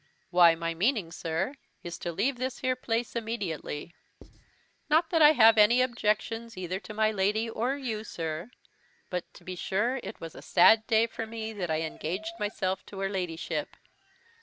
"Why, my meaning, sir, is to leave this here place immediately; not that I have any objections either to my Lady or you, sir; but, to be sure, it was a sad day for me that I engaged myself to her Ladyship.